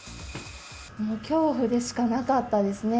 恐怖でしかなかったですね。